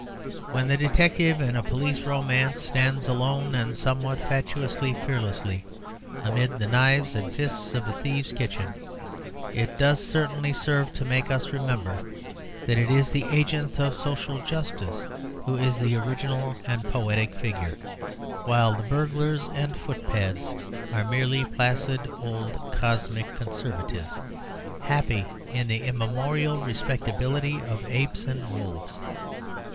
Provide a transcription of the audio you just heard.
When the detective in a police romance stands alone, and somewhat fatuously fearless amid the knives and fists of a thieves' kitchen, it does certainly serve to make us remember that it is the agent of social justice who is the original and poetic figure, while the burglars and footpads are merely placid old cosmic conservatives, happy in the immemorial respectability of apes and wolves.